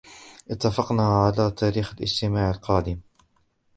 اتفقنا على تاريخ الاجتماع القادم.